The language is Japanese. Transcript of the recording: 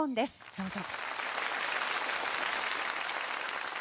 どうぞ。